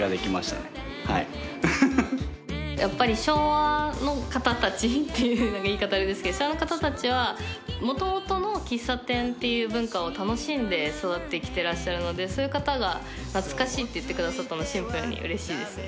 やっぱり昭和の方たちっていう言い方あれですけど昭和の方たちはもともとの喫茶店っていう文化を楽しんで育ってきてらっしゃるのでそういう方が懐かしいって言ってくださったのシンプルにうれしいですね。